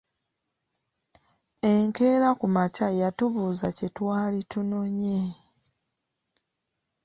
Enkeera ku makya yatubuuza kye twali tunonye.